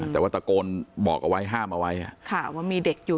แต่ว่าตะโกนบอกเอาไว้ห้ามเอาไว้ว่ามีเด็กอยู่